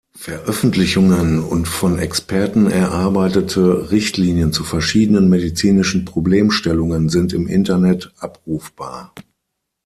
Veröffentlichungen und von Experten erarbeitete Richtlinien zu verschiedenen medizinischen Problemstellungen sind im Internet abrufbar.